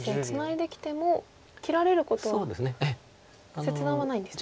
いできても切られることは切断はないんですね。